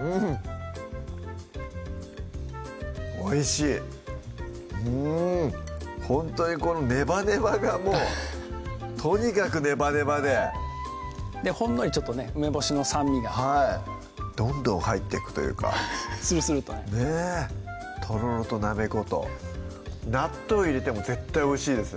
うんおいしいうんほんとにこのネバネバがもうとにかくネバネバでほんのりちょっとね梅干しの酸味がはいどんどん入ってくというかするするっとねねぇとろろとなめこと納豆入れても絶対おいしいですね